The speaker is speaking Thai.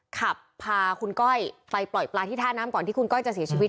ขับพาคุณก้อยไปปล่อยปลาที่ท่าน้ำก่อนที่คุณก้อยจะเสียชีวิต